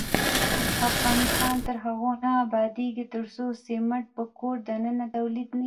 افغانستان تر هغو نه ابادیږي، ترڅو سمنټ په کور دننه تولید نشي.